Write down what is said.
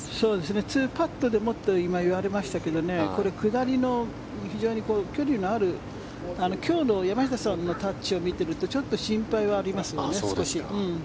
２パットでもと言われましたがこれ、下りの非常に距離のある今日の山下さんのタッチを見ているとちょっと心配はありますよね。